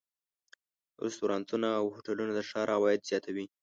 رستورانتونه او هوټلونه د ښار عواید زیاتوي.